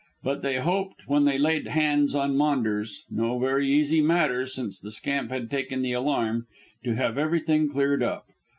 But they hoped when they laid hands on Maunders no very easy matter, since the scamp had taken the alarm to have everything cleared up.